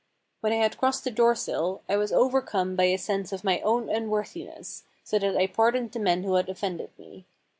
... When I had crossed the doorsill I was overcome by a sense of my own unworthiness, so that I pardoned the men who had offended me.